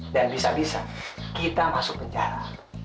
dan bisa bisa kita masuk penjara